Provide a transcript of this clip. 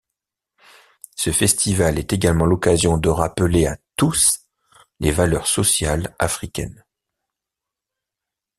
Ce festival est également l'occasion de rappeler à tous les valeurs sociales africaines.